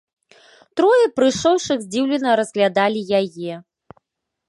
Трое прыйшоўшых здзіўлена разглядалі яе.